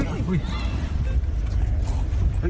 เก็บดาบเยอะอ่ะ